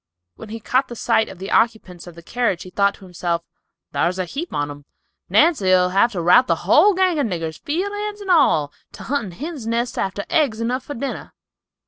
When he caught sight of the occupants of the carriage he thought to himself, "Thar's a heap on 'em. Nancy'll have to rout the whole gang of niggers, field hands and all, to huntin' hin's nests after eggs enough for dinner."